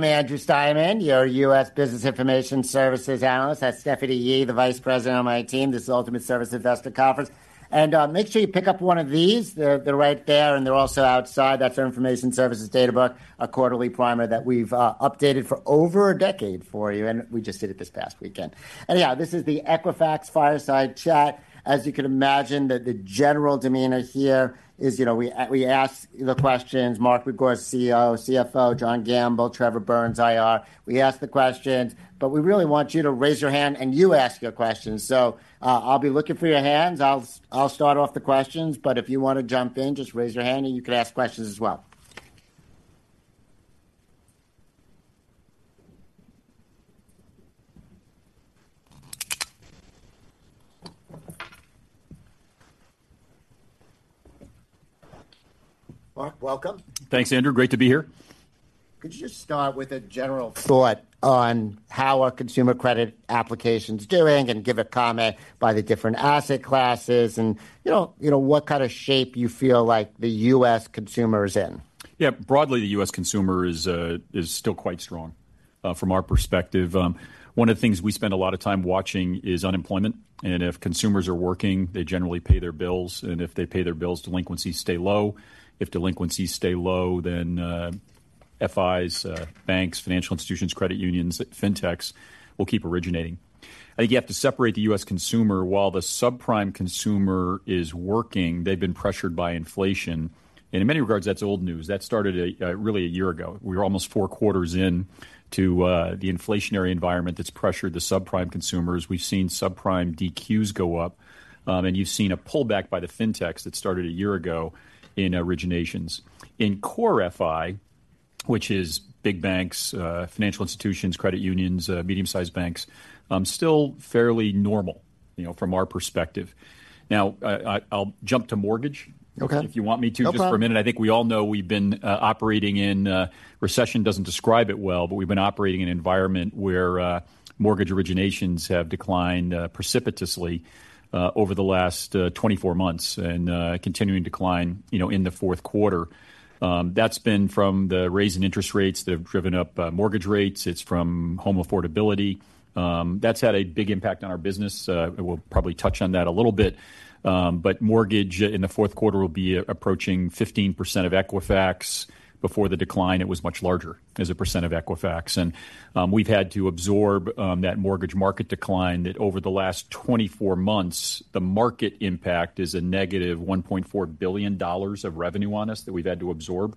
I'm Andrew Steinerman, your U.S. Business Information Services analyst. That's Stephanie Yee, the vice president on my team. This is Ultimate Service Investor Conference. Make sure you pick up one of these. They're, they're right there, and they're also outside. That's our Information Services Data Book, a quarterly primer that we've updated for over a decade for you, and we just did it this past weekend. Yeah, this is the Equifax Fireside Chat. As you can imagine, the general demeanour here is, you know, we ask the questions. Mark Begor, CEO. CFO, John Gamble. Trevor Burns, IR. We ask the questions, but we really want you to raise your hand and you ask your questions. I'll be looking for your hands. I'll start off the questions, but if you wanna jump in, just raise your hand, and you can ask questions as well. Mark, welcome. Thanks, Andrew. Great to be here. Could you just start with a general thought on how are consumer credit applications doing and give a comment by the different asset classes and, you know, you know, what kind of shape you feel like the U.S. consumer is in? Yeah. Broadly, the U.S. consumer is still quite strong from our perspective. One of the things we spend a lot of time watching is unemployment, and if consumers are working, they generally pay their bills, and if they pay their bills, delinquencies stay low. If delinquencies stay low, then FIs, banks, financial institutions, credit unions, fintechs will keep originating. I think you have to separate the U.S. consumer. While the subprime consumer is working, they've been pressured by inflation, and in many regards, that's old news. That started a year ago. We're almost four quarters in to the inflationary environment that's pressured the subprime consumers. We've seen subprime DQs go up, and you've seen a pullback by the fintechs that started a year ago in originations. In core FI, which is big banks, financial institutions, credit unions, medium-sized banks, still fairly normal, you know, from our perspective. Now, I'll jump to mortgage Okay. if you want me to. No problem. Just for a minute. I think we all know we've been operating in recession doesn't describe it well, but we've been operating in an environment where mortgage originations have declined precipitously over the last 24 months and continuing to decline, you know, in the fourth quarter. That's been from the raise in interest rates that have driven up mortgage rates. It's from home affordability. That's had a big impact on our business. And we'll probably touch on that a little bit, but mortgage in the fourth quarter will be approaching 15% of Equifax. Before the decline, it was much larger as a percent of Equifax. We've had to absorb that mortgage market decline, that over the last 24 months, the market impact is a negative $1.4 billion of revenue on us that we've had to absorb.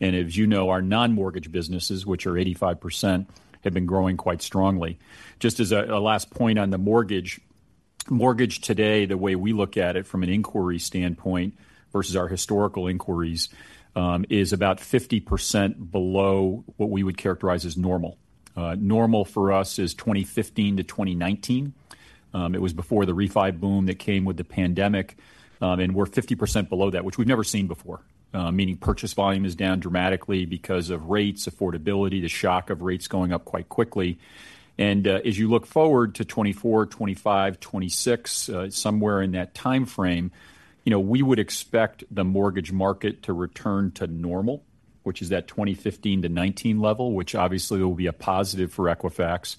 As you know, our non-mortgage businesses, which are 85%, have been growing quite strongly. Just as a last point on the mortgage, mortgage today, the way we look at it from an inquiry standpoint versus our historical inquiries, is about 50% below what we would characterise as normal. Normal for us is 2015 to 2019. It was before the refi boom that came with the pandemic, and we're 50% below that, which we've never seen before, meaning purchase volume is down dramatically because of rates, affordability, the shock of rates going up quite quickly. As you look forward to 2024, 2025, 2026, somewhere in that timeframe, you know, we would expect the mortgage market to return to normal, which is that 2015-2019 level, which obviously will be a positive for Equifax.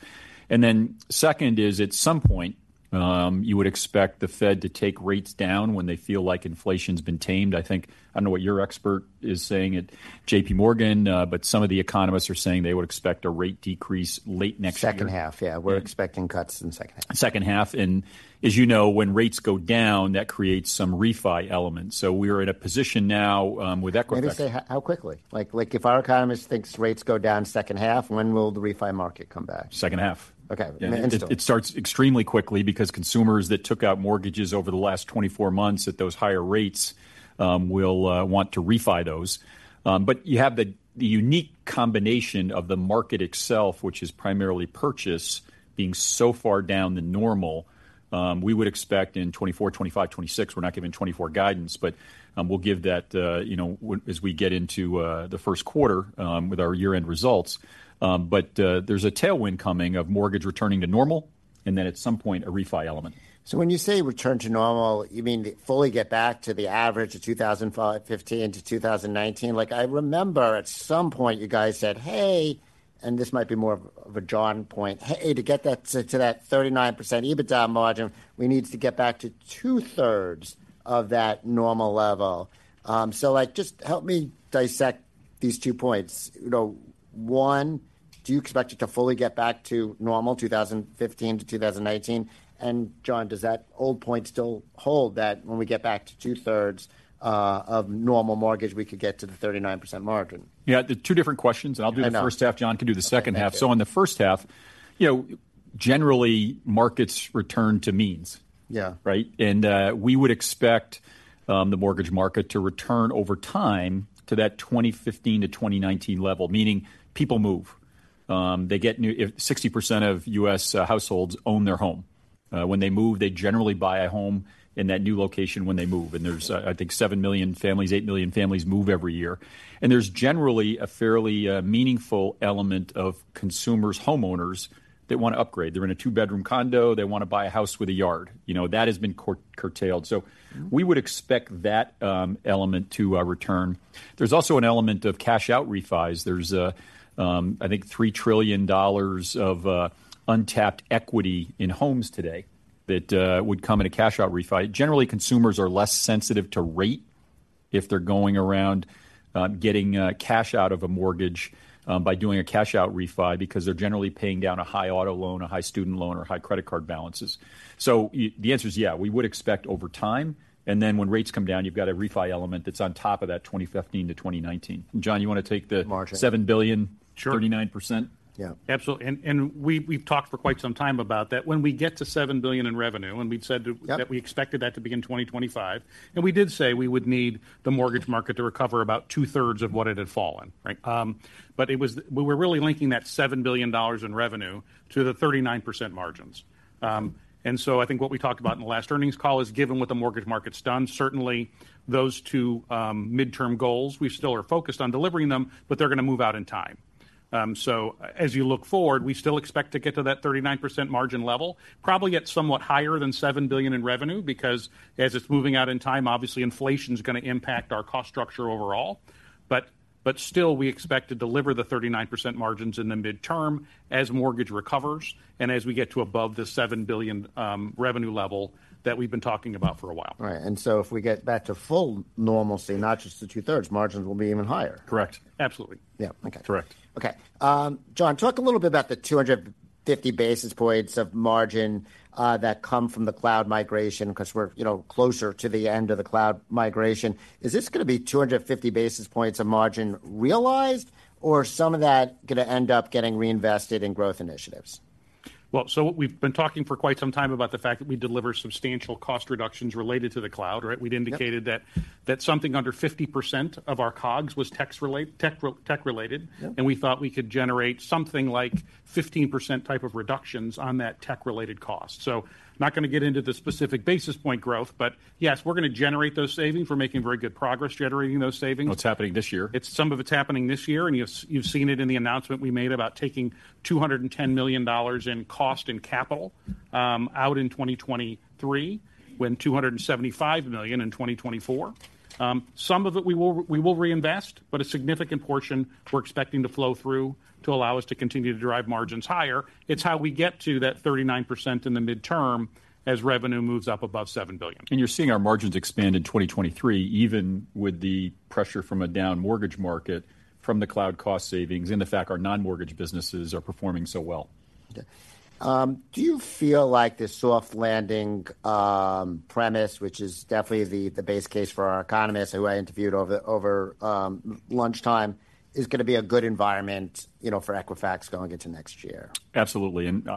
And then second is, at some point, you would expect the Fed to take rates down when they feel like inflation's been tamed. I think, I don't know what your expert is saying at JPMorgan, but some of the economists are saying they would expect a rate decrease late next year. Second half, yeah. We're expecting cuts in the second half. Second half, and as you know, when rates go down, that creates some refi elements. So we're in a position now, with Equifax. Let me say, how quickly? Like, like, if our economist thinks rates go down second half, when will the refi market come back? Second half. Okay. Instantly. It starts extremely quickly because consumers that took out mortgages over the last 24 months at those higher rates will want to refi those. But you have the unique combination of the market itself, which is primarily purchase, being so far down than normal. We would expect in 2024, 2025, 2026, we're not giving 2024 guidance, but we'll give that, you know, when, as we get into the first quarter with our year-end results. But there's a tailwind coming of mortgage returning to normal and then at some point, a refi element. So when you say return to normal, you mean fully get back to the average of 2015-2019? Like, I remember at some point you guys said, "Hey," and this might be more of a John point, "Hey, to get that to that 39% EBITDA margin, we need to get back to two-thirds of that normal level." So, like, just help me dissect these two points. You know, one, do you expect it to fully get back to normal, 2015-2018? And, John, does that old point still hold, that when we get back to two-thirds of normal mortgage, we could get to the 39% margin? Yeah, they're two different questions. I know. I'll do the first half. John can do the second half. So, on the first half, you know, generally, markets return to means. Yeah. Right? And we would expect the mortgage market to return over time to that 2015-2019 level, meaning people move. If 60% of U.S. households own their home, when they move, they generally buy a home in that new location when they move. And there's, I think, 7 million families, 8 million families move every year. And there's generally a fairly meaningful element of consumers, homeowners that want to upgrade. They're in a two-bedroom condo, they want to buy a house with a yard. You know, that has been curtailed. So we would expect that element to return. There's also an element of cash-out refis. There's a, I think, $3 trillion of untapped equity in homes today that would come in a cash-out refi. Generally, consumers are less sensitive to rate if they're going around, getting, cash out of a mortgage, by doing a cash-out refi, because they're generally paying down a high auto loan, a high student loan, or high credit card balances. So the answer is yeah, we would expect over time, and then when rates come down, you've got a refi element that's on top of that 2015 to 2019. John, you want to take the Margin. seven billion Sure. 39%? Yeah, absolutely. And we've talked for quite some time about that. When we get to $7 billion in revenue, and we'd said to Yep. that we expected that to be in 2025, and we did say we would need the mortgage market to recover about two-thirds of what it had fallen, right? But it was, we were really linking that $7 billion in revenue to the 39% margins. And so I think what we talked about in the last earnings call is, given what the mortgage market's done, certainly those two midterm goals, we still are focused on delivering them, but they're going to move out in time. So as you look forward, we still expect to get to that 39% margin level, probably at somewhat higher than $7 billion in revenue, because as it's moving out in time, obviously inflation's going to impact our cost structure overall. But still, we expect to deliver the 39% margins in the midterm as mortgage recovers and as we get to above the $7 billion revenue level that we've been talking about for a while. Right. And so if we get back to full normalcy, not just to two-thirds, margins will be even higher. Correct. Absolutely. Yeah. Okay. Correct. Okay. John, talk a little bit about the 250 basis points of margin that come from the cloud migration, 'cause we're, you know, closer to the end of the cloud migration. Is this going to be 250 basis points of margin realized, or some of that going to end up getting reinvested in growth initiatives? Well, so what we've been talking for quite some time about the fact that we deliver substantial cost reductions related to the cloud, right? Yep. We'd indicated that something under 50% of our COGS was tech related. Yep. We thought we could generate something like 15% type of reductions on that tech-related cost. So not going to get into the specific basis point growth, but yes, we're going to generate those savings. We're making very good progress generating those savings. Well, it's happening this year. It's some of it's happening this year, and you've seen it in the announcement we made about taking $210 million in cost and capital out in 2023, when $275 million in 2024. Some of it we will, we will reinvest, but a significant portion we're expecting to flow through to allow us to continue to drive margins higher. It's how we get to that 39% in the midterm as revenue moves up above $7 billion. You're seeing our margins expand in 2023, even with the pressure from a down mortgage market, from the cloud cost savings and the fact our non-mortgage businesses are performing so well. Okay. Do you feel like this soft landing premise, which is definitely the base case for our economists, who I interviewed over lunchtime, is going to be a good environment, you know, for Equifax going into next year? Absolutely, and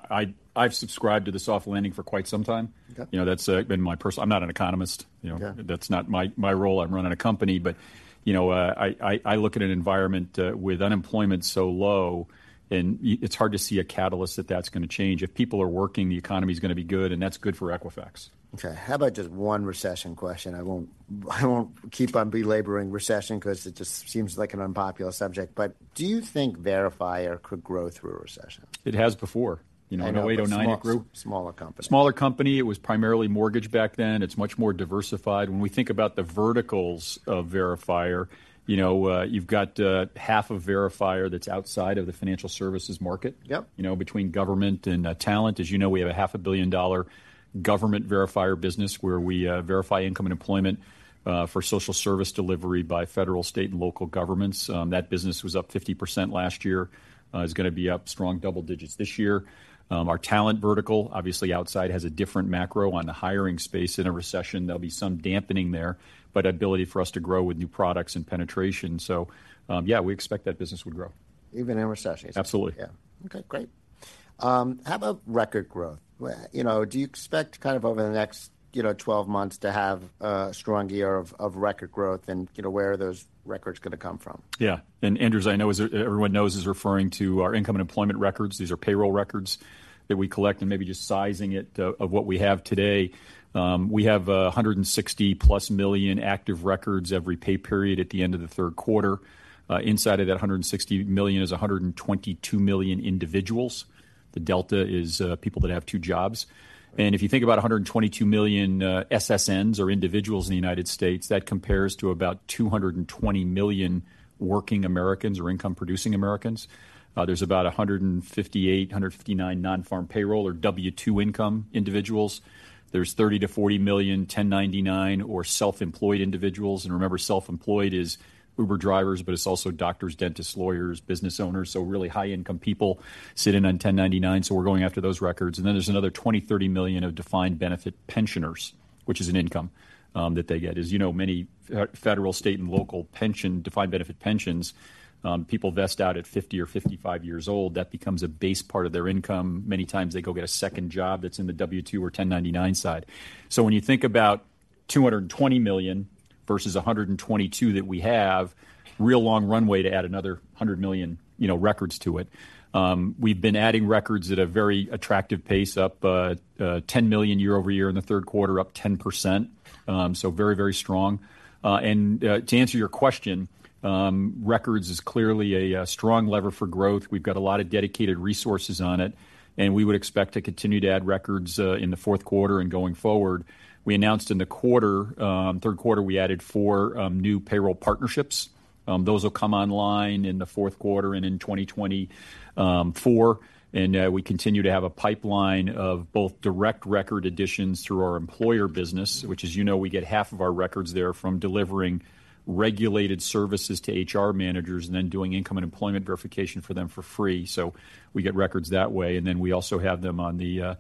I've subscribed to the soft landing for quite some time. Okay. You know, that's, been my I'm not an economist, you know? Yeah. That's not my role. I'm running a company. But, you know, I look at an environment with unemployment so low, and it's hard to see a catalyst that's going to change. If people are working, the economy's going to be good, and that's good for Equifax. Okay, how about just one recession question? I won't, I won't keep on belaboring recession, 'cause it just seems like an unpopular subject, but do you think Verifier could grow through a recession? It has before. I know. You know, in 2008, 2009, it grew. Smaller company. Smaller company, it was primarily mortgage back then. It's much more diversified. When we think about the verticals of Verifier, you know, you've got, half of Verifier that's outside of the financial services market. Yep. You know, between government and talent. As you know, we have a $500 million government Verifier business, where we verify income and employment for social service delivery by federal, state, and local governments. That business was up 50% last year. It's going to be up strong double digits this year. Our talent vertical, obviously outside, has a different macro on the hiring space in a recession. There'll be some dampening there, but ability for us to grow with new products and penetration. So, yeah, we expect that business would grow. Even in recessions? Absolutely. Yeah. Okay, great. How about record growth? Well, you know, do you expect kind of over the next, you know, 12 months to have a strong year of record growth? And, you know, where are those records going to come from? Yeah. Andrew, I know, as everyone knows, is referring to our income and employment records. These are payroll records that we collect, and maybe just sizing it of what we have today. We have 160+ million active records every pay period at the end of the third quarter. Inside of that 160 million is 122 million individuals. The delta is people that have two jobs. And if you think about 122 million SSNs or individuals in the United States, that compares to about 220 million working Americans or income-producing Americans. There's about 158, 159 non-farm payroll or W-2 income individuals. There's 30-40 million 1099 or self-employed individuals, and remember, self-employed is Uber drivers, but it's also doctors, dentists, lawyers, business owners. So really high-income people sit in on 1099, so we're going after those records. And then there's another 20-30 million of defined benefit pensioners, which is an income that they get. As you know, many federal, state, and local pension, defined benefit pensions people vest out at 50 or 55 years old. That becomes a base part of their income. Many times, they go get a second job that's in the W-2 or 1099 side. So when you think about 220 million versus 122 that we have, real long runway to add another 100 million, you know, records to it. We've been adding records at a very attractive pace, up 10 million year-over-year in the third quarter, up 10%. So very, very strong. To answer your question, records is clearly a strong lever for growth. We've got a lot of dedicated resources on it, and we would expect to continue to add records in the fourth quarter and going forward. We announced in the quarter, third quarter, we added four new payroll partnerships. Those will come online in the fourth quarter and in 2024. We continue to have a pipeline of both direct record additions through our employer business, which, as you know, we get half of our records there from delivering regulated services to HR managers and then doing income and employment verification for them for free. So we get records that way, and then we also have them on the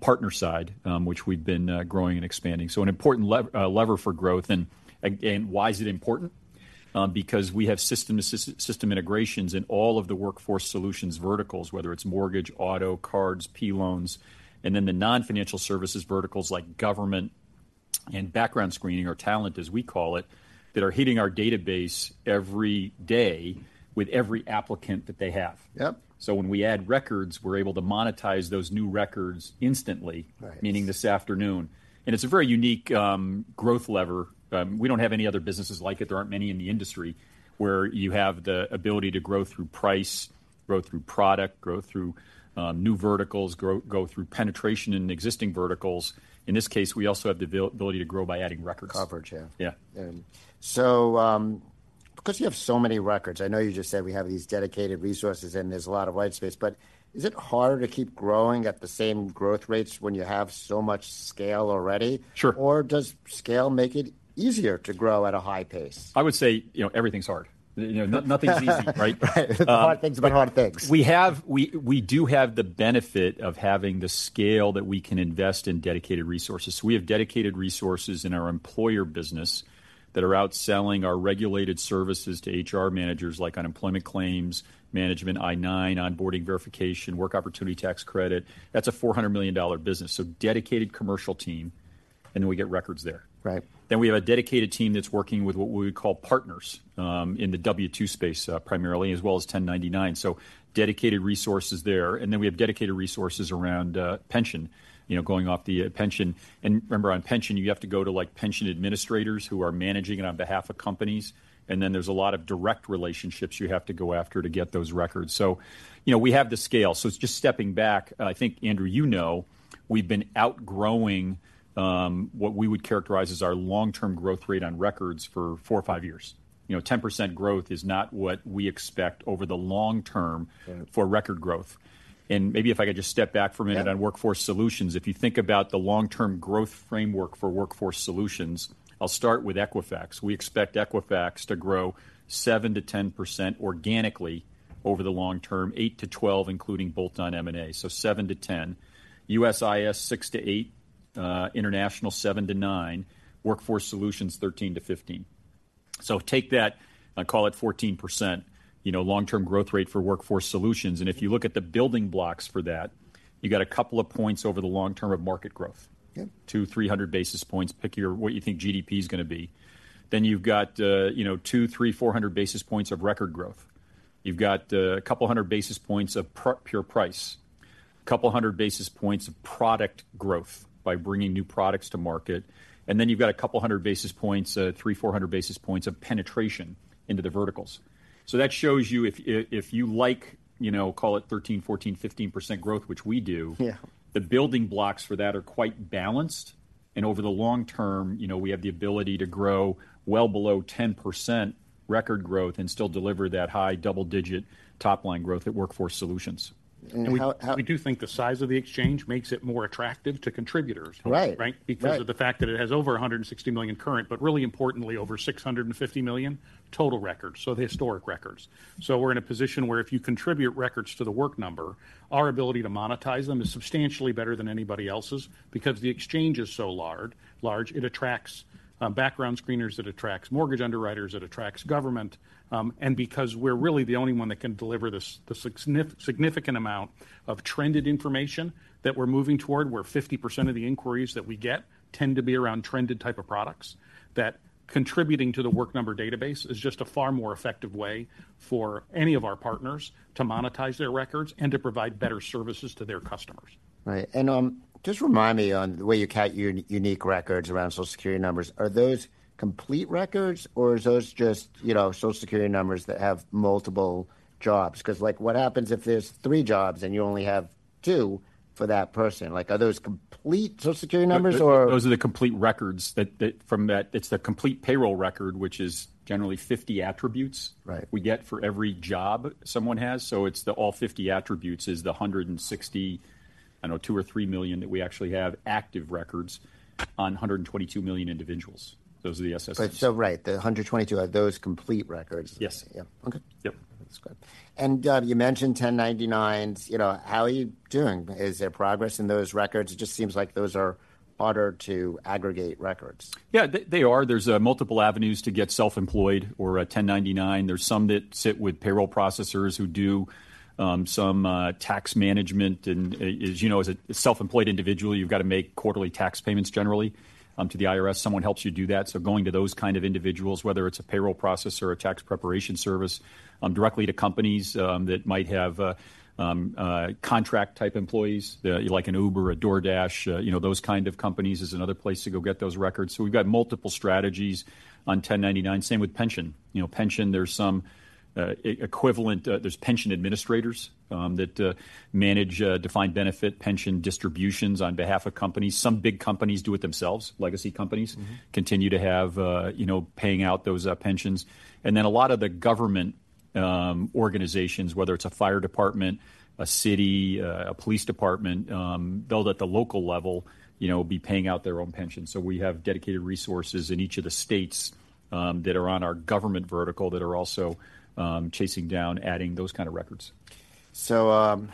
partner side, which we've been growing and expanding. So an important lever for growth. And again, why is it important? Because we have system integrations in all of the workforce solutions verticals, whether it's mortgage, auto, cards, P loans, and then the non-financial services verticals, like government and background screening or talent, as we call it, that are hitting our database every day with every applicant that they have. Yep. So, when we add records, we're able to monetize those new records instantly. Right. Meaning this afternoon. And it's a very unique growth lever. We don't have any other businesses like it. There aren't many in the industry where you have the ability to grow through price, grow through product, grow through new verticals, grow through penetration in existing verticals. In this case, we also have the ability to grow by adding records. Coverage, yeah. Yeah. Because you have so many records, I know you just said we have these dedicated resources and there's a lot of white space, but is it harder to keep growing at the same growth rates when you have so much scale already? Sure. Or does scale make it easier to grow at a high pace? I would say, you know, everything's hard. You know, nothing's easy, right? Right. The hard things about hard things. We have the benefit of having the scale that we can invest in dedicated resources. So we have dedicated resources in our employer business that are out selling our regulated services to HR managers, like unemployment claims, management, I-9, onboarding verification, Work Opportunity Tax Credit. That's a $400 million business, so dedicated commercial team, and then we get records there. Right. Then we have a dedicated team that's working with what we would call partners in the W-2 space, primarily, as well as 1099, so dedicated resources there. And then we have dedicated resources around pension, you know, going off the pension. And remember, on pension, you have to go to, like, pension administrators who are managing it on behalf of companies, and then there's a lot of direct relationships you have to go after to get those records. So, you know, we have the scale. So just stepping back, and I think, Andrew, you know, we've been outgrowing what we would characterize as our long-term growth rate on records for four or five years. You know, 10% growth is not what we expect over the long term Yeah. for record growth. Maybe if I could just step back for a minute Yeah. at Workforce Solutions. If you think about the long-term growth framework for Workforce Solutions, I'll start with Equifax. We expect Equifax to grow 7%-10% organically over the long term, 8%-12%, including bolt-on M&A, so 7%-10%. USIS, 6%-8%, international, 7%-9%, Workforce Solutions, 13%-15%. So take that and call it 14%, you know, long-term growth rate for Workforce Solutions. And if you look at the building blocks for that, you got a couple of points over the long term of market growth. Yeah. 200-300 basis points, pick your what you think GDP is gonna be. Then you've got, you know, 200-400 basis points of record growth. You've got a couple hundred basis points of pure price, a couple hundred basis points of product growth by bringing new products to market, and then you've got a couple hundred basis points, 300-400 basis points of penetration into the verticals. So that shows you if you like, you know, call it 13%-15% growth, which we do. Yeah. The building blocks for that are quite balanced. Over the long term, you know, we have the ability to grow well below 10% record growth and still deliver that high double-digit top-line growth at Workforce Solutions. And how We do think the size of the exchange makes it more attractive to contributors. Right. Right? Right. Because of the fact that it has over 160 million current, but really importantly, over 650 million total records, so the historic records. So we're in a position where if you contribute records to The Work Number, our ability to monetise them is substantially better than anybody else's. Because the exchange is so large, it attracts background screeners, it attracts mortgage underwriters, it attracts government. And because we're really the only one that can deliver this, the significant amount of trended information that we're moving toward, where 50% of the inquiries that we get tend to be around trended type of products, that contributing to The Work Number database is just a far more effective way for any of our partners to monetize their records and to provide better services to their customers. Right. And just remind me on the way you count your unique records around Social Security numbers, are those complete records, or are those just, you know, Social Security numbers that have multiple jobs? 'Cause, like, what happens if there's three jobs and you only have two for that person? Like, are those complete Social Security numbers or? Those are the complete records that from that. It's the complete payroll record, which is generally 50 attributes. Right. we get for every job someone has. So it's the all 50 attributes is the 160, I know, two or 3 million that we actually have active records on 122 million individuals. Those are the SSNs. Right, the 122, are those complete records? Yes. Yeah. Okay. Yep. That's good and you mentioned 1099s. You know, how are you doing? Is there progress in those records? It just seems like those are harder to aggregate records. Yeah, they are. There's multiple avenues to get self-employed or a 1099. There's some that sit with payroll processors who do some tax management, and as you know, as a self-employed individual, you've got to make quarterly tax payments generally to the IRS. Someone helps you do that. So going to those kind of individuals, whether it's a payroll processor or a tax preparation service, directly to companies that might have contract-type employees, like an Uber, a DoorDash, you know, those kind of companies, is another place to go get those records. So we've got multiple strategies on 1099. Same with pension. You know, pension, there's some equivalent There's pension administrators that manage defined benefit pension distributions on behalf of companies. Some big companies do it themselves. Legacy companies Mm-hmm. continue to have, you know, paying out those pensions. And then a lot of the government organizations, whether it's a fire department, a city, a police department, built at the local level, you know, will be paying out their own pensions. So we have dedicated resources in each of the states that are on our government vertical that are also chasing down, adding those kind of records. So,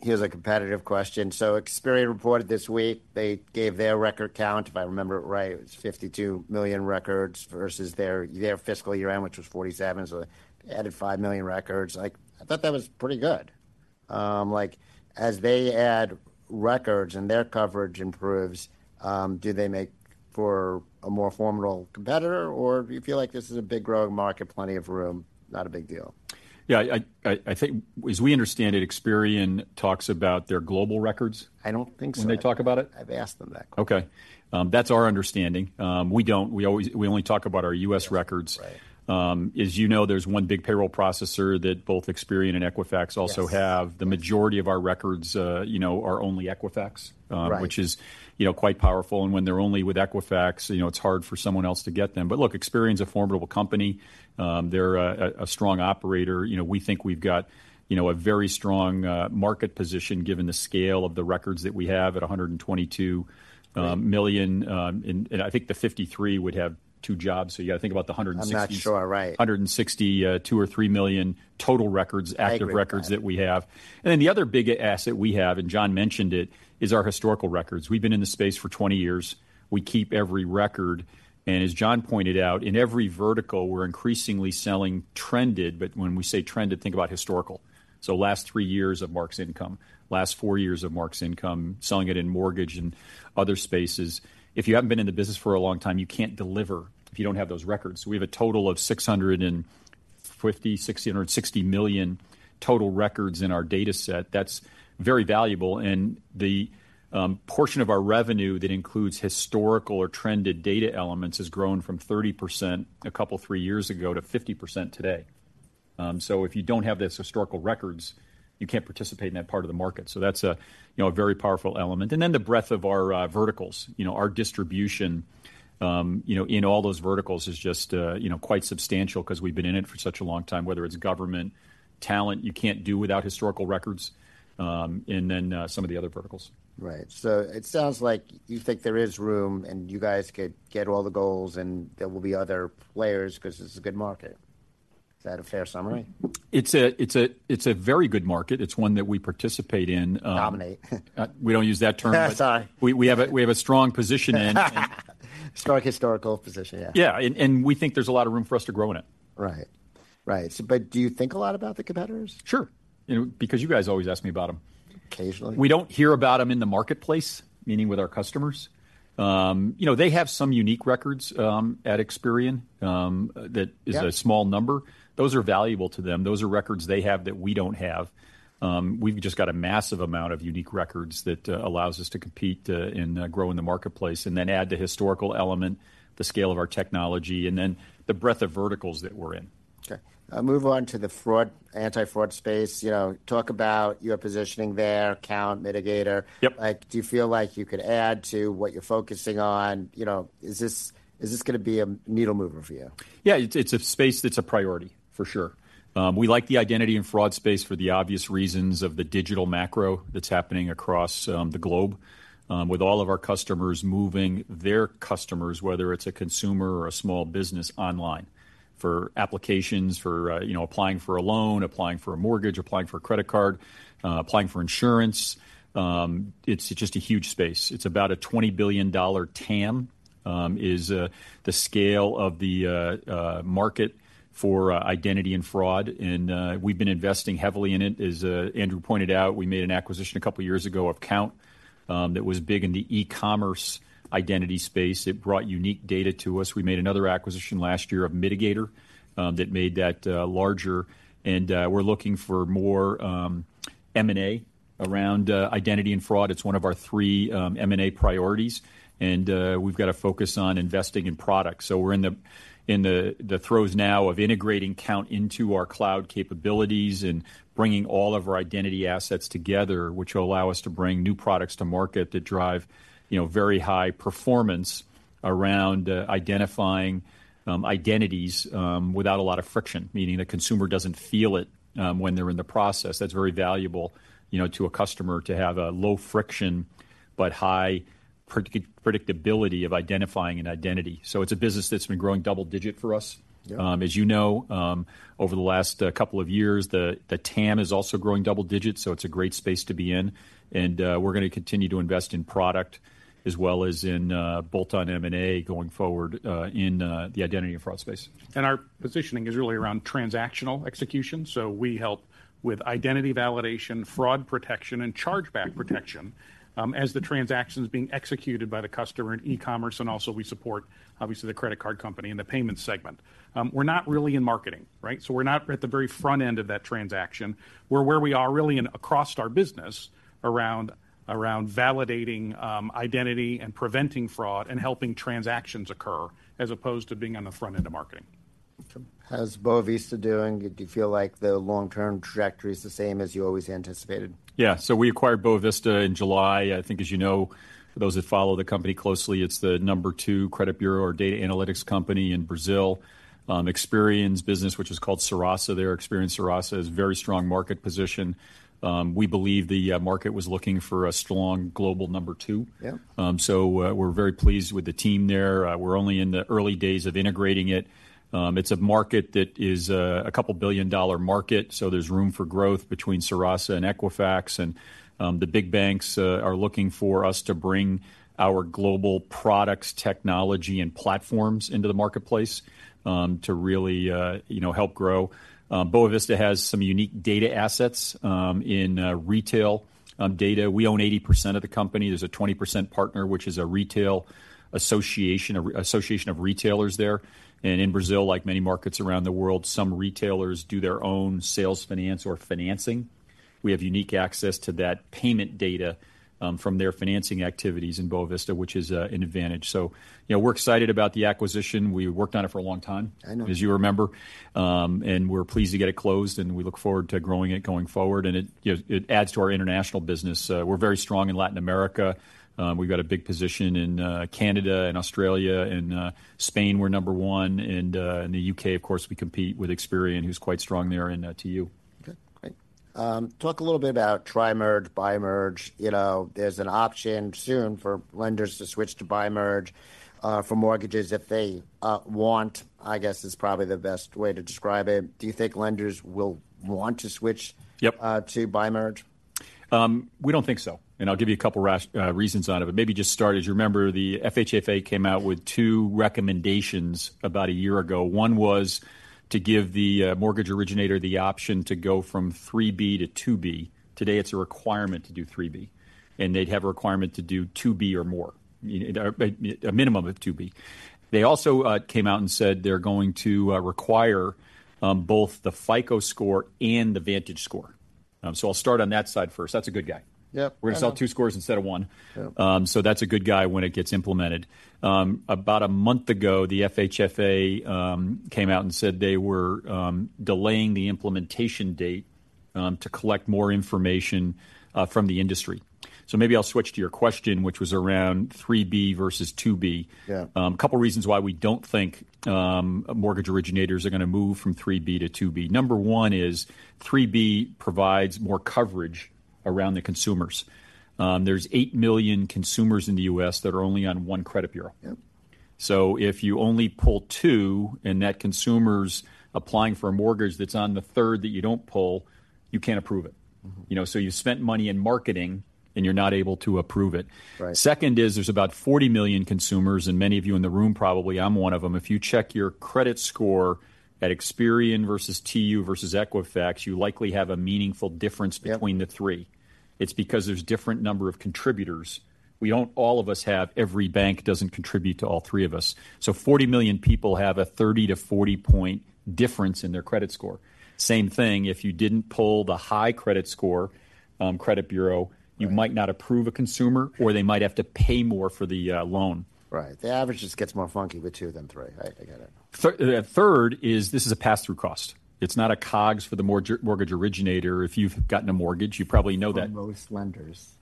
here's a competitive question. So Experian reported this week, they gave their record count, if I remember it right, it was 52 million records versus their, their fiscal year end, which was 47, so they added 5 million records. Like, I thought that was pretty good. Like, as they add records and their coverage improves, do they make for a more formidable competitor, or do you feel like this is a big, growing market, plenty of room, not a big deal? Yeah, I think as we understand it, Experian talks about their global records I don't think so. when they talk about it? I've asked them that question. Okay. That's our understanding. We don't. We always, we only talk about our U.S. records. Right. As you know, there's one big payroll processor that both Experian and Equifax also have. Yes. The majority of our records, you know, are only Equifax Right. which is, you know, quite powerful, and when they're only with Equifax, you know, it's hard for someone else to get them. But look, Experian's a formidable company. They're a strong operator. You know, we think we've got, you know, a very strong market position, given the scale of the records that we have at 122 million. And I think the 53 would have two jobs, so you got to think about the 160 I'm not sure. Right. 160, two or 3 million total records I agree with that. active records that we have. And then the other big asset we have, and John mentioned it, is our historical records. We've been in this space for 20 years. We keep every record, and as John pointed out, in every vertical, we're increasingly selling trended. But when we say trended, think about historical. So last three years of Mark's income, last four years of Mark's income, selling it in mortgage and other spaces. If you haven't been in the business for a long time, you can't deliver if you don't have those records. We have a total of 650-660 million total records in our data set. That's very valuable, and the portion of our revenue that includes historical or trended data elements has grown from 30% a couple, three years ago, to 50% today. So if you don't have this historical records, you can't participate in that part of the market. So that's a, you know, a very powerful element. And then the breadth of our verticals. You know, our distribution, you know, in all those verticals is just, you know, quite substantial 'cause we've been in it for such a long time, whether it's government, talent, you can't do without historical records, and then some of the other verticals. Right. So it sounds like you think there is room, and you guys could get all the goals, and there will be other players 'cause this is a good market. Is that a fair summary? It's a very good market. It's one that we participate in. Dominate. We don't use that term. That's all right. We have a strong position in. Strong historical position, yeah. Yeah, and we think there's a lot of room for us to grow in it. Right. Right, so, but do you think a lot about the competitors? Sure, you know, because you guys always ask me about them. Occasionally. We don't hear about them in the marketplace, meaning with our customers. You know, they have some unique records at Experian that Yeah. is a small number. Those are valuable to them. Those are records they have that we don't have. We've just got a massive amount of unique records that allows us to compete and grow in the marketplace, and then add the historical element, the scale of our technology, and then the breadth of verticals that we're in. Okay. Move on to the fraud, anti-fraud space. You know, talk about your positioning there, Kount, Midigator. Yep. Do you feel like you could add to what you're focusing on? You know, is this, is this gonna be a needle mover for you? Yeah, it's a space that's a priority, for sure. We like the identity and fraud space for the obvious reasons of the digital macro that's happening across the globe, with all of our customers moving their customers, whether it's a consumer or a small business, online, for applications, for you know, applying for a loan, applying for a mortgage, applying for a credit card, applying for insurance. It's just a huge space. It's about a $20 billion TAM, is the scale of the market for identity and fraud, and we've been investing heavily in it. As Andrew pointed out, we made an acquisition a couple of years ago of Kount, that was big in the e-commerce identity space. It brought unique data to us. We made another acquisition last year of Midigator that made that larger, and we're looking for more M&A around identity and fraud. It's one of our three M&A priorities, and we've got a focus on investing in products. So we're in the throes now of integrating Kount into our cloud capabilities and bringing all of our identity assets together, which will allow us to bring new products to market that drive, you know, very high performance around identifying identities without a lot of friction, meaning the consumer doesn't feel it when they're in the process. That's very valuable, you know, to a customer to have a low friction but high predictability of identifying an identity. So it's a business that's been growing double digit for us. Yeah. As you know, over the last couple of years, the TAM is also growing double digits, so it's a great space to be in. And, we're gonna continue to invest in product as well as in, bolt-on M&A going forward, in the identity and fraud space. Our positioning is really around transactional execution, so we help with identity validation, fraud protection, and chargeback protection, as the transaction's being executed by the customer in e-commerce, and also we support, obviously, the credit card company and the payment segment. We're not really in marketing, right? So we're not at the very front end of that transaction. We're where we are really in across our business, around validating identity and preventing fraud and helping transactions occur, as opposed to being on the front end of marketing. How's Boa Vista doing? Do you feel like the long-term trajectory is the same as you always anticipated? Yeah. So we acquired Boa Vista in July. I think, as you know, those that follow the company closely, it's the number two credit bureau or data analytics company in Brazil. Experian's business, which is called Serasa, their Experian Serasa, has very strong market position. We believe the market was looking for a strong global number two. Yeah. So, we're very pleased with the team there. We're only in the early days of integrating it. It's a market that is a couple billion-dollar market, so there's room for growth between Serasa and Equifax. And the big banks are looking for us to bring our global products, technology, and platforms into the marketplace to really you know help grow. Boa Vista has some unique data assets in retail data. We own 80% of the company. There's a 20% partner, which is a retail association, an association of retailers there. And in Brazil, like many markets around the world, some retailers do their own sales finance or financing. We have unique access to that payment data from their financing activities in Boa Vista, which is an advantage. So, you know, we're excited about the acquisition. We worked on it for a long time I know. as you remember. And we're pleased to get it closed, and we look forward to growing it going forward. And it, you know, it adds to our international business. We're very strong in Latin America. We've got a big position in Canada and Australia. In Spain, we're number one, and in the U.K., of course, we compete with Experian, who's quite strong there in TU. Okay, great. Talk a little bit about Tri-Merge, Bi-Merge. You know, there's an option soon for lenders to switch to Bi-Merge, for mortgages if they want, I guess, is probably the best way to describe it. Do you think lenders will want to switch Yep. to Bi-Merge? We don't think so, and I'll give you a couple reasons out of it. Maybe just start, as you remember, the FHFA came out with two recommendations about a year ago. One was to give the mortgage originator the option to go from 3B to 2B. Today, it's a requirement to do 3B, and they'd have a requirement to do 2B or more, a minimum of 2B. They also came out and said they're going to require both the FICO score and the VantageScore. So I'll start on that side first. That's a good guy. Yep. I know. We're gonna sell two scores instead of one. Yeah. So that's a good guy when it gets implemented. About a month ago, the FHFA came out and said they were delaying the implementation date to collect more information from the industry. So maybe I'll switch to your question, which was around 3B versus 2B. Yeah. Couple reasons why we don't think mortgage originators are gonna move from 3B to 2B. Number one is 3B provides more coverage around the consumers. There's 8 million consumers in the U.S. that are only on one credit bureau. Yep. If you only pull two, and that consumer's applying for a mortgage that's on the third that you don't pull, you can't approve it. Mm-hmm. You know, so you spent money in marketing, and you're not able to approve it. Right. Second is, there's about 40 million consumers and many of you in the room, probably, I'm one of them, if you check your credit score at Experian versus TU versus Equifax, you likely have a meaningful difference Yeah. between the three. It's because there's different number of contributors. We don't, every bank doesn't contribute to all three of us. So 40 million people have a 30-40 point difference in their credit score. Same thing, if you didn't pull the high credit score, credit bureau, you might not approve a consumer, or they might have to pay more for the, loan. Right. The average just gets more funky with two than three. I, I get it. Third is this is a pass-through cost. It's not a COGS for the mortgage originator. If you've gotten a mortgage, you probably know that. For most lenders.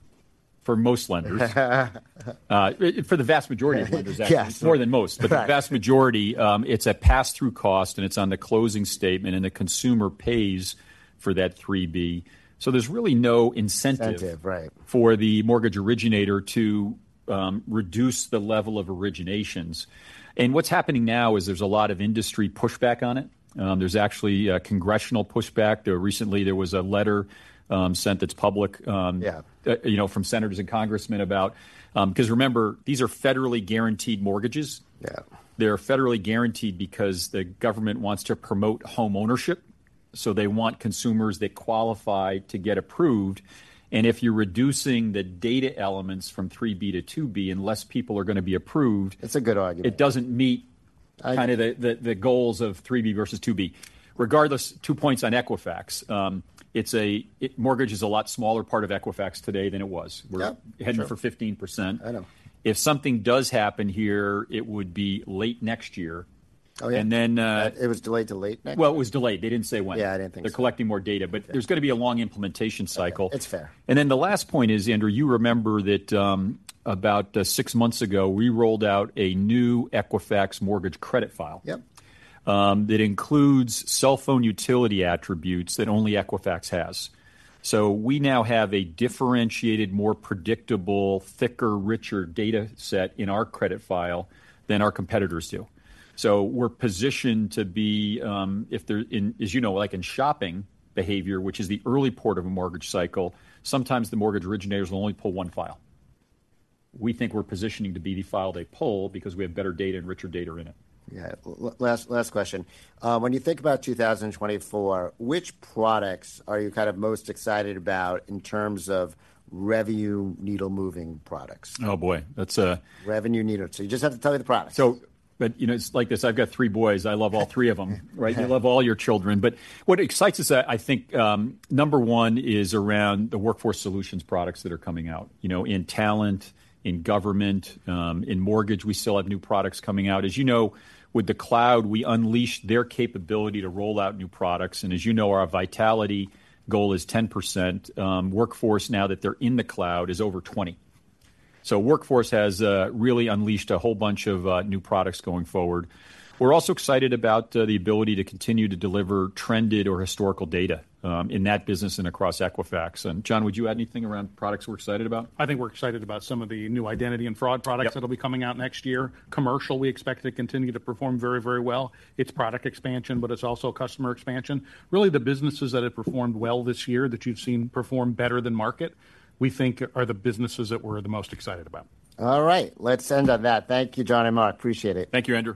For most lenders. For the vast majority of lenders, actually. Yes. More than most. Right. But the vast majority, it's a pass-through cost, and it's on the closing statement, and the consumer pays for that 3B. So there's really no incentive Incentive, right. for the mortgage originator to reduce the level of originations. What's happening now is there's a lot of industry pushback on it. There's actually a congressional pushback. Though recently, there was a letter sent, that's public, Yeah. you know, from senators and congressmen about. Because remember, these are federally guaranteed mortgages. Yeah. They're federally guaranteed because the government wants to promote homeownership, so they want consumers that qualify to get approved, and if you're reducing the data elements from 3B to 2B, and less people are gonna be approved It's a good argument. it doesn't meet I kind of the goals of 3B versus 2B. Regardless, two points on Equifax. Mortgage is a lot smaller part of Equifax today than it was. Yep. We're heading for 15%. I know. If something does happen here, it would be late next year. Oh, yeah? And then, It was delayed to late May? Well, it was delayed. They didn't say when. Yeah, I didn't think so. They're collecting more data, but there's gonna be a long implementation cycle. It's fair. Then the last point is, Andrew, you remember that, about six months ago, we rolled out a new Equifax mortgage credit file, Yep. that includes cell phone utility attributes that only Equifax has. So we now have a differentiated, more predictable, thicker, richer data set in our credit file than our competitors do. So we're positioned to be, as you know, like in shopping behavior, which is the early port of a mortgage cycle, sometimes the mortgage originators will only pull one file. We think we're positioning to be the file they pull because we have better data and richer data in it. Yeah. Last question. When you think about 2024, which products are you kind of most excited about in terms of revenue needle-moving products? Oh, boy! That's a Revenue needle. So you just have to tell me the products. But, you know, it's like this. I've got three boys. I love all three of them, right? You love all your children. But what excites us, I think, number one is around the Workforce Solutions products that are coming out. You know, in talent, in government, in mortgage, we still have new products coming out. As you know, with the cloud, we unleash their capability to roll out new products, and as you know, our vitality goal is 10%, Workforce, now that they're in the cloud, is over 20. So Workforce has really unleashed a whole bunch of new products going forward. We're also excited about the ability to continue to deliver trended or historical data in that business and across Equifax. John, would you add anything around products we're excited about? I think we're excited about some of the new identity and fraud products Yep that'll be coming out next year. Commercial, we expect to continue to perform very, very well. It's product expansion, but it's also customer expansion. Really, the businesses that have performed well this year, that you've seen perform better than market, we think are the businesses that we're the most excited about. All right, let's end on that. Thank you, John and Mark. I appreciate it. Thank you, Andrew.